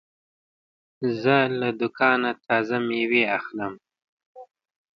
زه له دوکانه تازه مېوې اخلم.